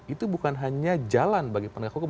itu bukan hanya jalan bagi penegak hukum